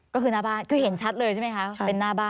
ก็คือหน้าบ้านเขาเห็นชัดเลยใช่ไหมคะ